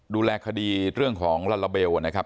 ดูแลคดีเรื่องของลาลาเบลนะครับ